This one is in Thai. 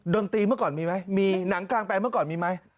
ดนตรีเมื่อก่อนมีไหมมีหนังกลางแปลงเมื่อก่อนมีไหม